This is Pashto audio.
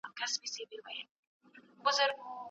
آیا دغه ناروغي د وینې له لارې انتقالیږي؟